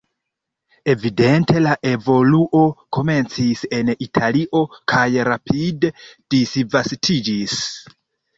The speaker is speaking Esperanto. Evidente la evoluo komencis en Italio kaj rapide disvastiĝis.